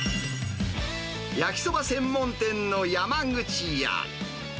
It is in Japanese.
焼きそば専門店の山口屋。